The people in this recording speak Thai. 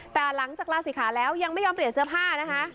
แต่หลังจากลาศิขาแล้วยังไม่ยอมเปลี่ยนเสื้อผ้านะคะ